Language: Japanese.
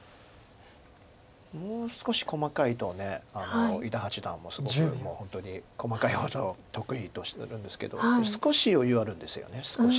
もう少し細かいと伊田八段もすごくもう本当に細かいほど得意とするんですけど少し余裕あるんですよね少し。